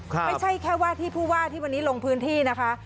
ไม่ใช่แค่ว่าที่ผู้ว่าที่วันนี้ลงพื้นที่นะคะ